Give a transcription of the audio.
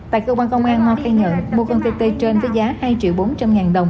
tại cơ quan công an mò khai ngợi mua con tê tê trên với giá hai triệu bốn trăm linh ngàn đồng